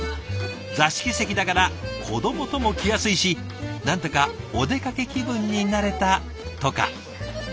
座敷席だから子どもとも来やすいし何だかお出かけ気分になれたとか。